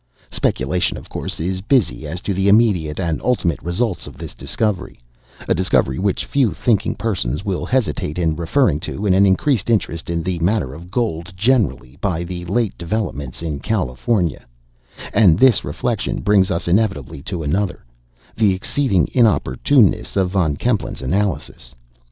Speculation, of course, is busy as to the immediate and ultimate results of this discovery—a discovery which few thinking persons will hesitate in referring to an increased interest in the matter of gold generally, by the late developments in California; and this reflection brings us inevitably to another—the exceeding inopportuneness of Von Kempelen's analysis.